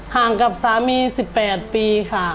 ห่างกับที่สามี๑๘ปีค่ะ